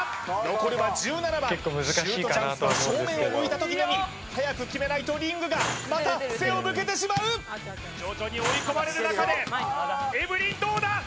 残るは１７番結構難しいかなと思うんですけど早く決めないとリングがまた背を向けてしまう徐々に追い込まれる中でエブリンどうだ！？